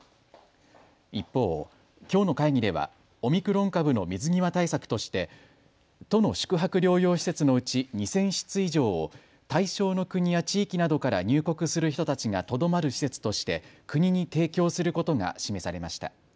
一方、きょうの会議ではオミクロン株の水際対策として都の宿泊療養施設のうち２０００室以上を対象の国や地域などから入国する人たちがとどまる施設として国に提供することが示されました。